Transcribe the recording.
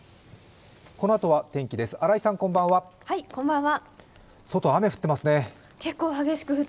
このあとは天気です、新井さんこんばんは。